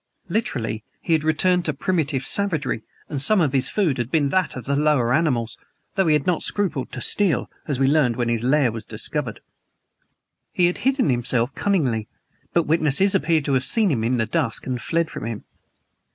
Literally, he had returned to primitive savagery and some of his food had been that of the lower animals, though he had not scrupled to steal, as we learned when his lair was discovered. He had hidden himself cunningly; but witnesses appeared who had seen him, in the dusk, and fled from him.